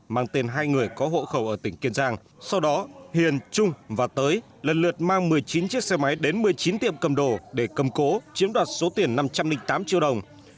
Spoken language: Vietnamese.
mang tên hai người có hộ khẩu ở tỉnh kiên giang sau đó hiền trung và tới lần lượt mang một mươi chín chiếc xe máy đến một mươi chín tiệm cầm đồ để cầm cố chiếm đoạt số tiền năm trăm linh tám triệu đồng